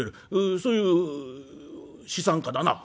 そういう資産家だな」。